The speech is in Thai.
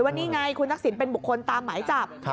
ว่านี่ไงคุณทักษิณเป็นบุคคลตามหมายจับ